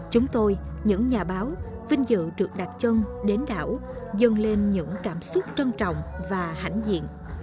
chúng tôi những nhà báo vinh dự được đặt chân đến đảo dâng lên những cảm xúc trân trọng và hãnh diện